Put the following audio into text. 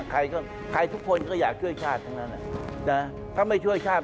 ใครทุกคนก็อยากช่วยชาติทั้งนั้นนะแต่ถ้าไม่ช่วยชาติ